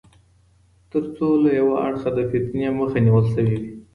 تر څو له يوه اړخه د فتنې مخه نيول سوې وي